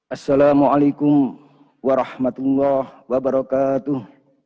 assalamu'alaikum warahmatullahi wabarakatuh